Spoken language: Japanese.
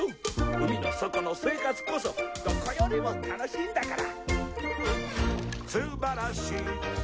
海の底の生活こそどこよりも楽しいんだから。